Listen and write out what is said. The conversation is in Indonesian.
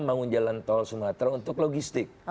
bangun jalan tol sumatera untuk logistik